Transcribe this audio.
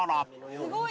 「すごい。